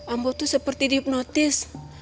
aku tuh seperti dihipnotis